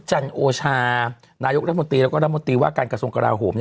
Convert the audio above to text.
จันโอชานายกรัฐมนตรีแล้วก็รัฐมนตรีว่าการกระทรวงกราโหม